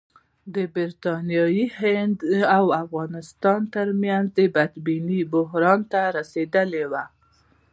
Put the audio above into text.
د برټانوي هند او افغانستان ترمنځ بدبیني بحران ته رسېدلې وه.